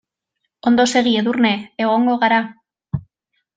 Ondo segi Edurne, egongo gara.